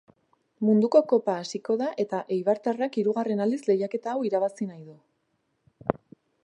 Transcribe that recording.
Munduko kopa hasiko da eta eibartarrak hirugarren aldiz lehiaketa hau irabazi nahi du.